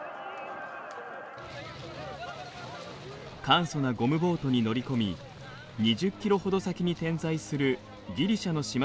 簡素なゴムボートに乗り込み２０キロほど先に点在するギリシャの島々に渡ろうとします。